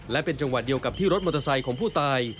และเป็นจังหวะเดียวกับที่รถมอเตอร์ไซค์ของผู้ตาย